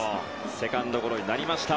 セカンドゴロになりました。